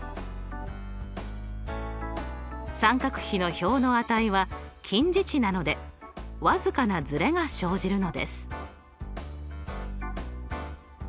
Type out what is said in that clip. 三角比の表の値は近似値なので僅かなずれが生じるのです。